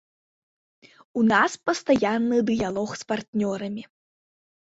У нас пастаянны дыялог з партнёрамі.